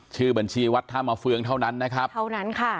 ชื่อบัญชีวัดท่ามาเฟืองเท่านั้นนะครับเท่านั้นค่ะ